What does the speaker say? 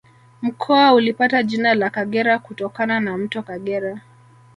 Mkoa ulipata jina la Kagera kutokana na Mto Kagera